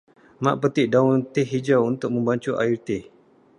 Mak petik daun teh hijau untuk membancuh air teh.